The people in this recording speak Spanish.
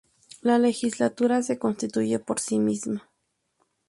La Legislatura se constituye por sí misma.